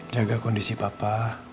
jaga kondisi papa